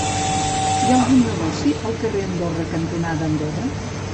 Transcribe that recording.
Hi ha algun negoci al carrer Andorra cantonada Andorra?